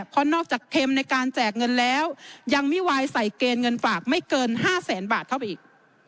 เพราะนอกจากเค็มในการแจกเงินแล้วยังไม่วายใส่เกณฑ์เงินฝากไม่เกิน๕แสนบาทเข้าไปอีก